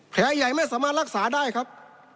แผลใหญ่ไม่สามารถรักษาได้ครับ